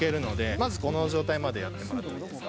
まずこの状態までやってもらっていいですか。